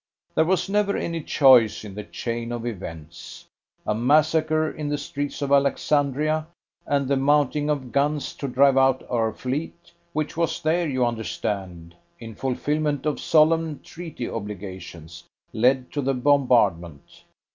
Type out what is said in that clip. There was never any choice in the chain of events. A massacre in the streets of Alexandria, and the mounting of guns to drive out our fleet which was there, you understand, in fulfilment of solemn treaty obligations led to the bombardment.